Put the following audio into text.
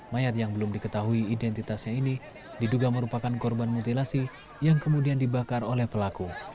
mayat yang belum diketahui identitasnya ini diduga merupakan korban mutilasi yang kemudian dibakar oleh pelaku